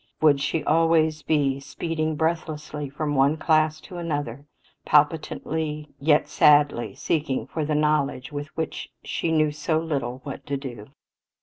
Would she always be speeding breathlessly from one classroom to another, palpitantly yet sadly seeking for the knowledge with which she knew so little what to do?